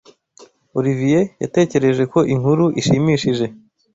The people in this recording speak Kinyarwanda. Olivier yatekereje ko inkuru ishimishije.